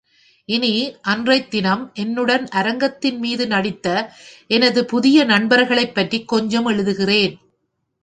இனி அன்றைத் தினம் என்னுடன் அரங்கத்தின்மீது நடித்த எனது புதிய நண்பர்களைப் பற்றிக் கொஞ்சம் எழுதுகிறேன்.